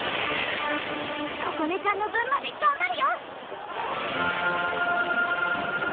ここねちゃんの分までがんばるよ！